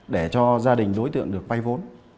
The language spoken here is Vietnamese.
để cho gia đình đối tượng được vay vốn